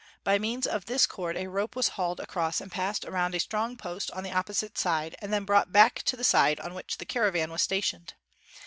By means of this cord a rope was hauled across and passed around a strong X3ost on the opposite side, and then brought back to the side on which the caravan was stationed.